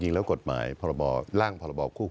ลุงเอี่ยมอยากให้อธิบดีช่วยอะไรไหม